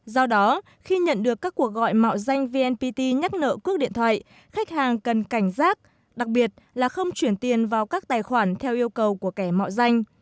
do đó khi nhận được các cuộc gọi mạo danh vnpt nhắc nợ cước điện thoại khách hàng cần cảnh giác đặc biệt là không chuyển tiền vào các tài khoản theo yêu cầu của kẻ mạo danh